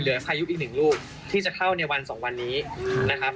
พายุอีกหนึ่งลูกที่จะเข้าในวันสองวันนี้นะครับ